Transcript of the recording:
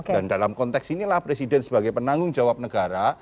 dan dalam konteks inilah presiden sebagai penanggung jawab negara